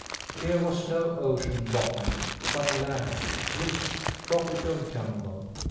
Here was no ocean bottom, but land, rich tropical jungle.